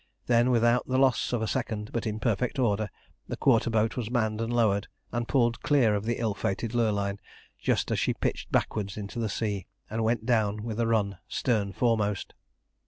Then, without the loss of a second, but in perfect order, the quarter boat was manned and lowered, and pulled clear of the ill fated Lurline just as she pitched backwards into the sea and went down with a run, stern foremost.